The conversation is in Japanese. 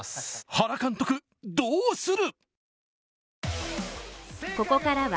原監督どうする？